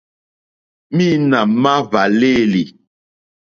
Mǐīnā má hwàlêlì.